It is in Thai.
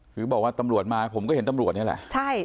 คือบอกว่าตำรวจมาผมก็เห็นตำรวจนี่แหละใช่